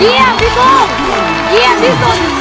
เยี่ยมพี่โก้เยี่ยมที่สุด